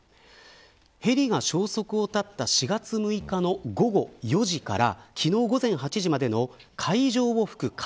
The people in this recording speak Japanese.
ヘリが消息を絶った４月６日の午後４時から昨日午前８時までの海上を吹く風